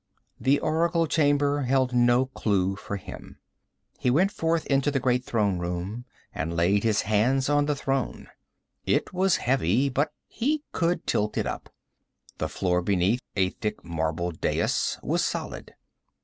The oracle chamber held no clue for him. He went forth into the great throne room and laid his hands on the throne. It was heavy, but he could tilt it up. The floor beneath, a thick marble dais, was solid.